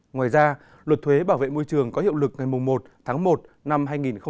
ngoài ra luật thuế bảo vệ môi trường có hiệu lực ngày một tháng một năm hai nghìn một mươi